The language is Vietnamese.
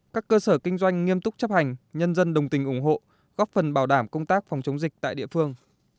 các cơ sở kinh doanh nghiêm túc chấp hành nhân dân đồng tình ủng hộ góp phần bảo đảm công tác phòng chống dịch tại địa phương